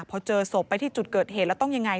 พอเจอศพไปที่จุดเกิดเหตุแล้วต้องยังไง